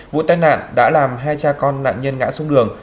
vụ tai nạn đã làm hai cha con nạn nhân ngã xuống đường